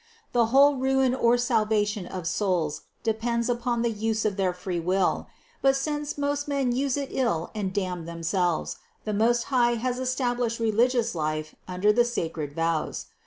The whole ruin or salvation of souls depends upon the use of their free will; but since most men use it ill and damn themselves, the Most High has established religious life under the sacred vows.